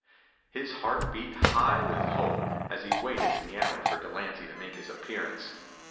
His heart beat high with hope as he waited in the alley for Delancy to make his appearance.